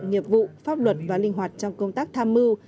nghiệp vụ pháp luật và linh hoạt trong công tác tham mưu